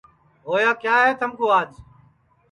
ہویا کیا ہے تھمکُو آج